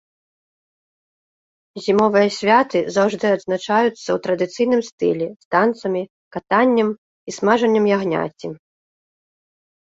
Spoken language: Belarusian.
Зімовыя святы заўжды адзначаюцца ў традыцыйным стылі, з танцамі, катаннем у і смажаннем ягняці.